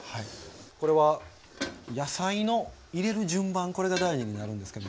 これは野菜の入れる順番これが大事になるんですけども。